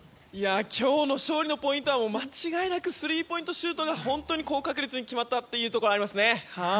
今日の勝利のポイントは間違いなくスリーポイントが高確率に決まったところがありますね。